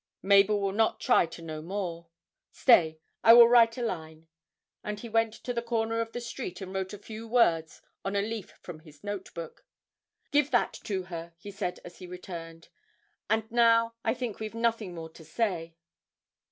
Mabel will not try to know more. Stay, I will write a line' (and he went to the corner of the street and wrote a few words on a leaf from his notebook). 'Give that to her,' he said as he returned. 'And now I think we've nothing more to say.'